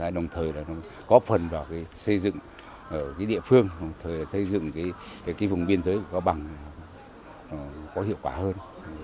đồng thời có phần vào xây dựng địa phương xây dựng vùng biên giới của cao bằng có hiệu quả hơn